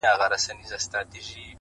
د سترگو سرو لمبو ته دا پتنگ در اچوم.